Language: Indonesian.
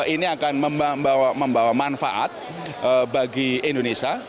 ini akan membawa manfaat bagi indonesia